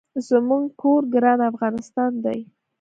زمونږ کور ګران افغانستان دي